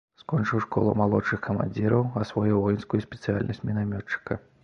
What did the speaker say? Скончыў школу малодшых камандзіраў, асвоіў воінскую спецыяльнасць мінамётчыка.